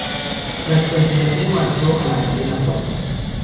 Tras su cancelación, marchó a la cadena Cuatro.